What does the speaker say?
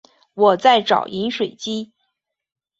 我在找饮水机